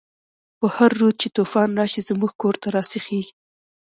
په هر رود چی توفان راشی، زمونږ کور ته راسیخیږی